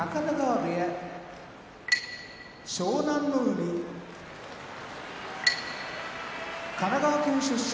湘南乃海神奈川県出身